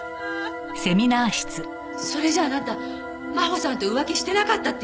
それじゃああなた真帆さんと浮気してなかったっていうの？